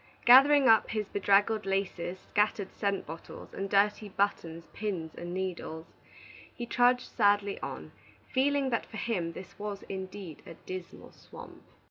Gathering up his bedraggled laces, scattered scent bottles, and dirty buttons, pins, and needles, he trudged sadly on, feeling that for him this was indeed a Dismal Swamp.